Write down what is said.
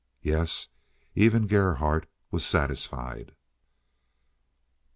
Yes, even Gerhardt was satisfied.